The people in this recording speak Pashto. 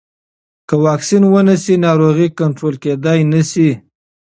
که واکسین ونه شي، ناروغي کنټرول کېدای نه شي.